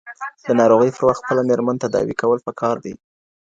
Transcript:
د ناروغۍ پر وخت خپله ميرمن تداوي کول پکار دي.